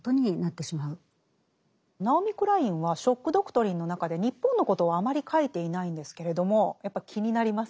ナオミ・クラインは「ショック・ドクトリン」の中で日本のことをあまり書いていないんですけれどもやっぱり気になりますよね。